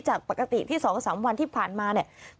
จากปกติที่๒๓วันที่ผ่านมาเนี่ย